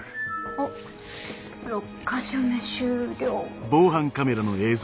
おっ６か所目終了。